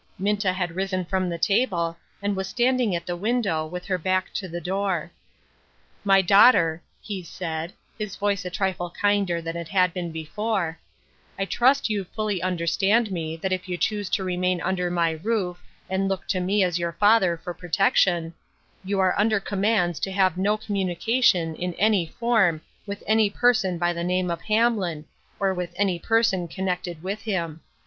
Minta had risen from the table, and was standing at the window, with her back to the door. " My daughter," he said, his voice a trifle kinder than it had been before, " I trust you fully under stand me that if you choose to remain under my roof, and look to me as your father for protection, you are under commands to have no communi cation in any form with any person by the name of Hamlin, or with any person connected with him.